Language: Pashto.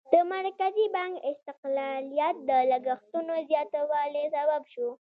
د مرکزي بانک استقلالیت د لګښتونو زیاتوالي سبب شو.